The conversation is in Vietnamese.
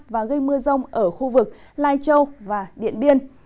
và gây mưa rông ở khu vực lai châu và điện biên